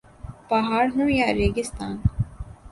پہاڑ ہوں یا ریگستان